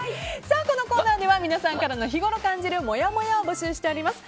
このコーナーでは皆さんからの日ごろ感じるもやもやを募集しております。